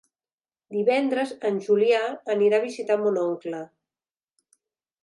Divendres en Julià anirà a visitar mon oncle.